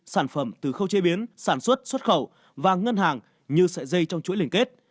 sản phẩm từ khâu chế biến sản xuất xuất khẩu và ngân hàng như sợi dây trong chuỗi liên kết